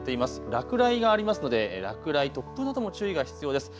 落雷がありますので落雷、突風なども注意が必要です。